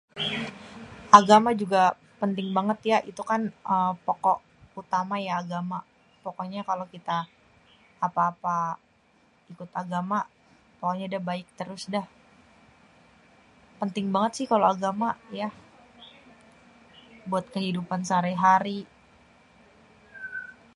Agama juga penting bangêt ya itukan pokok utama ya agama. Pokoknya kalo kita apa-apa ikut agama baik térus dah. Penting bangêt sih kalo agama yah buat kehidupan sehari-hari.